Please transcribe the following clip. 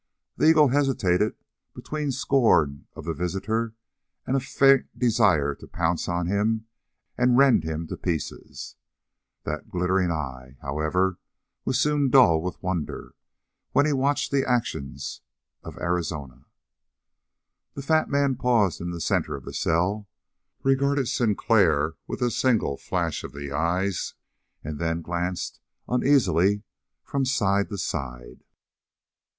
The eagle hesitated between scorn of the visitor and a faint desire to pounce on him and rend him to pieces. That glittering eye, however, was soon dull with wonder, when he watched the actions of Arizona. The fat man paused in the center of the cell, regarded Sinclair with a single flash of the eyes, and then glanced uneasily from side to side.